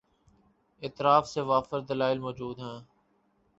اطراف سے وافر دلائل مو جود ہیں۔